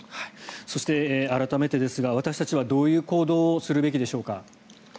そして、改めてですが私たちはどういう行動をするべきでしょうか。